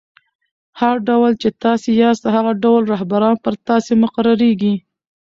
هر ډول، چي تاسي یاست؛ هغه ډول رهبران پر تاسي مقررېږي.